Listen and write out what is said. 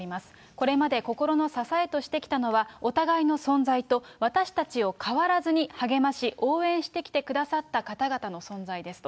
これまで心の支えとしてきたのはお互いの存在と、私たちを変わらずに励まし、応援してきてくださった方々の存在ですと。